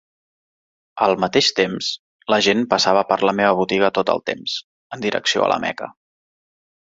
Al mateix temps, la gent passava per la meva botiga tot el temps, en direcció a la Meca.